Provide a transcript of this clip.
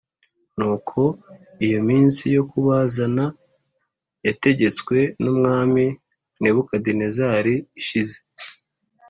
Nuko iyo minsi yo kubazana yategetswe n’Umwami Nebukadinezari ishize